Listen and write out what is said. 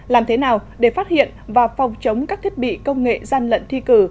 làm thế nào để phát hiện và phòng chống các thiết bị công nghệ gian lận thi cử